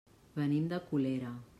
Venim de Colera.